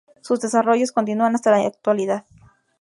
Sus desarrollos continúan hasta la actualidad.